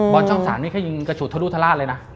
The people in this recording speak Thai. บอลด์ช่องสารนี่ก็ยิงกระฉุดทะลุทราทเลยนะ